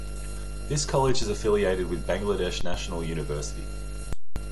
This college is affiliated with Bangladesh National University.